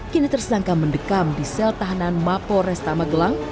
kini tersangka mendekam di sel tahanan mapo restamagelang